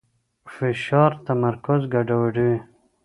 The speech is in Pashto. فشار تمرکز ګډوډوي.